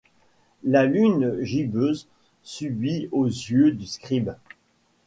La lune gibbeuse suffit aux yeux du scribe.